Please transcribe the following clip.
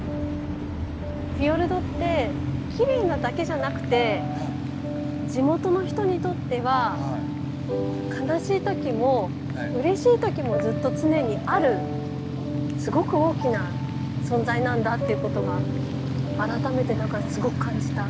フィヨルドってきれいなだけじゃなくて地元の人にとっては悲しい時もうれしい時もずっと常にあるすごく大きな存在なんだってことが改めてすごく感じた。